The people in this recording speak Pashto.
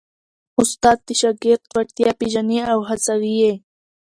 استاد د شاګرد وړتیا پېژني او هڅوي یې.